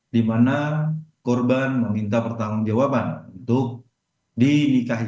di mana korban meminta pertanggung jawaban untuk dinikahi